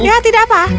ya tidak apa